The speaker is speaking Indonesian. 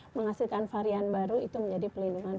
menghasilkan varian baru itu menjadi pelindungan